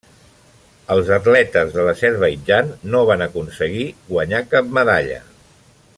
Els atletes de l'Azerbaidjan no va aconseguir guanyar cap medalla.